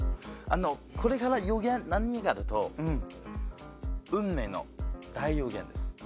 これから予言何かというと「運命の大予言」です。